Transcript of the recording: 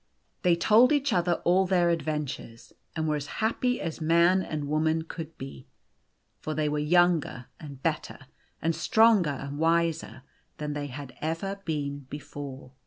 They told each other all their adventures, and were as happy as man and woman could be. For they were younger and better, and stronger and wiser, than they had ever been before.